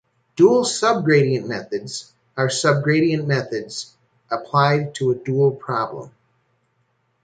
Dual subgradient methods are subgradient methods applied to a dual problem.